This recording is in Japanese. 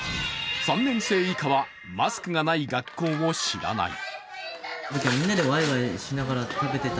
３年生以下はマスクがない学校を知らない。